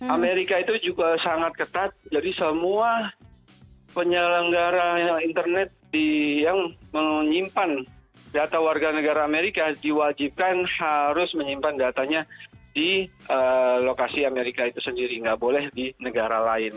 amerika itu juga sangat ketat jadi semua penyelenggara internet yang menyimpan data warga negara amerika diwajibkan harus menyimpan datanya di lokasi amerika itu sendiri nggak boleh di negara lain